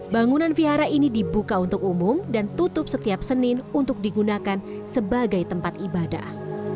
bangunan vihara ini dibuka untuk umum dan tutup setiap senin untuk digunakan sebagai tempat ibadah